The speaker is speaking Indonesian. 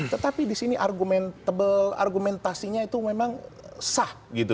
tetapi di sini argumentasinya itu memang sah